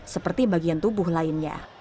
seperti bagian tubuh lainnya